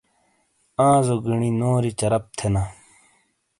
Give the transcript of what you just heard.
آںزو گیݨی نوری چرپ تھینا۔